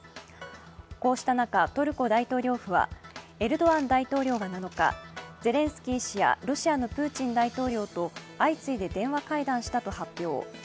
こうした中、トルコ大統領府はエルドアン大統領が７日、ゼレンスキー氏やロシアのプーチン大統領と相次いで電話会談したと発表。